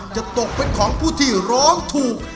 จะตกเป็นของผู้ที่ร้องถูก